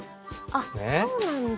あっそうなんだ。